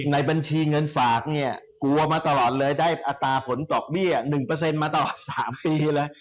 ในบัญชีเงินฝากเนี่ยกลัวมาตลอดเลยได้อัตราผลดอกเบี้ย๑มาตลอด๓ปีเลย